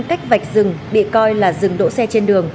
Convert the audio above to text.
cách vạch rừng bị coi là dừng đỗ xe trên đường